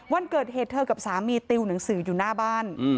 วันเกิดเหตุเธอกับสามีติวหนังสืออยู่หน้าบ้าน